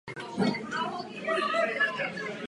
Pro přijetí vhodných a účinných opatření potřebujeme čas.